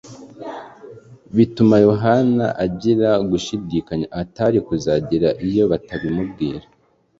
Bituma Yohana agira gushidikanya atari kuzagira iyo batabimubwira.